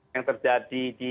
yang terjadi di